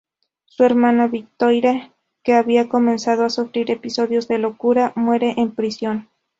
Su hermana Victoire, que había comenzado a sufrir episodios de locura, muere en prisión.